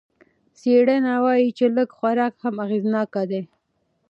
څېړنه وايي چې لږ خوراک هم اغېزناکه دی.